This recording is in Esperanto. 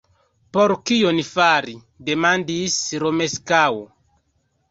Por kion fari? demandis Romeskaŭ.